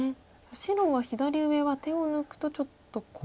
白は左上は手を抜くとちょっと怖い？